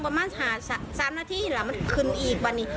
กรอกพอดีเลยเขามัน